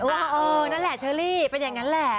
ว่าเออนั่นแหละเชอรี่เป็นอย่างนั้นแหละ